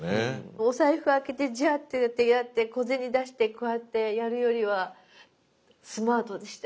お財布開けてジャーってやって小銭出してこうやってやるよりはスマートでしたよね。